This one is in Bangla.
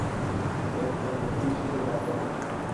বেদ কোন ব্যক্তিবিশেষের বাক্য নহে।